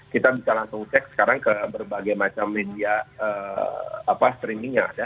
kita bisa langsung cek sekarang ke berbagai macam media streaming yang ada